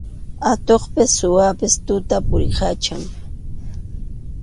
Atuqpas suwapas tuta puriykachan.